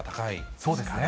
そうですね。